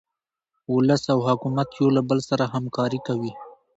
ولس او حکومت یو له بل سره همکاري کوي.